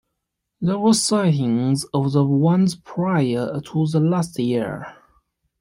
There were sightings of the ones prior to the last year.